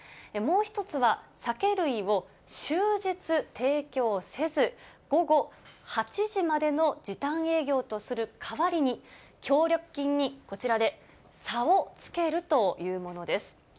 もう１つは酒類を終日提供せず、午後８時までの時短営業とする代わりに、協力金にこちらで差をつけるというものです。